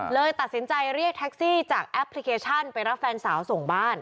เลยตัดสินใจเรียกแท็กซี่จากแอปพลิเคชันไปรับแฟนสาวส่งบ้าน